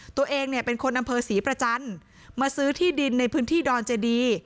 ตัวเองเนี่ยเป็นคนอำเภอศรีประจันทร์มาซื้อที่ดินในพื้นที่ดอนเจดี